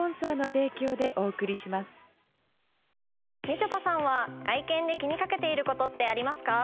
みちょぱさんは外見で気にかけていることってありますか？